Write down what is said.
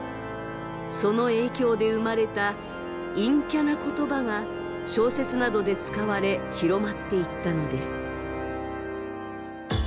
その影響で生まれた陰キャな言葉が小説などで使われ広まっていったのです。